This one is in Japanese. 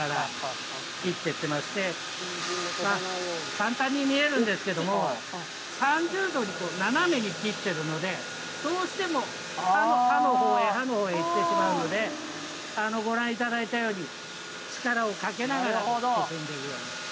簡単に見えるんですけれども３０度に斜めに切っているのでどうしても刃の方へ刃の方へいってしまうのでご覧いただいたように力をかけながら進んでいきます。